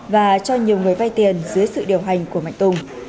và cho nhiều người vay tiền dưới sự điều hành của mạnh tùng